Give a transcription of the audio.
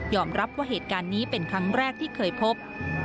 รับว่าเหตุการณ์นี้เป็นครั้งแรกที่เคยพบ